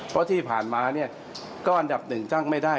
เพราะที่ผ่านมาเนี่ยก็อันดับหนึ่งตั้งไม่ได้